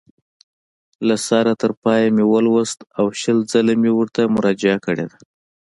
له سره تر پایه مې ولوست او شل ځله مې ورته مراجعه کړې ده.